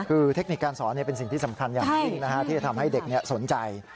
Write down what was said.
คือเทคนิคการสอนเป็นสิ่งที่สำคัญอย่างยิ่งที่จะทำให้เด็กสนใจ